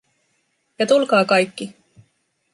Ja tulkaa kaikki.